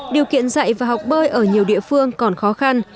điều kiện dạy và học bơi ở nhiều địa phương còn khó khăn